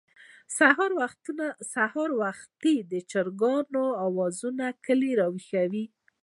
سهار وختي د چرګانو اوازونه کلى راويښوي.